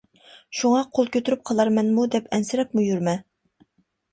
شۇڭا قول كۆتۈرۈپ قالارمەنمۇ دەپ ئەنسىرەپمۇ يۈرمە.